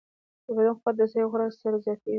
د بدن قوت د صحي خوراک سره زیاتېږي.